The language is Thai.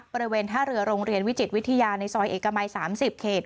บริเวณท่าเรือโรงเรียนวิจิตวิทยาในซอยเอกมัย๓๐เขต